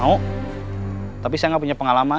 mau tapi saya nggak punya pengalaman